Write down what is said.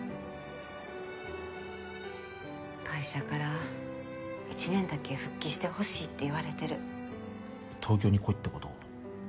会社から１年だけ復帰してほしいって言われてる東京に来いってこと？